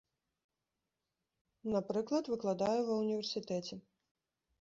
Напрыклад, выкладаю ва універсітэце.